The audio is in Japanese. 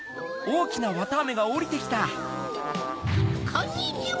こんにちは！